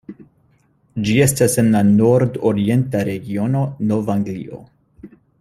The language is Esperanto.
Ĝi estas en la nord-orienta regiono Nov-Anglio.